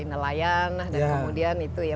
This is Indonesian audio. nelayan dan kemudian itu ya